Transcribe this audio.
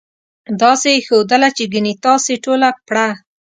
داسې یې ښودله چې ګنې تاسې ټوله پړه.